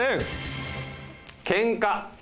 ケンカ。